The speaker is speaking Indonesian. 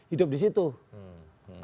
anak cucu kita nanti lebih baik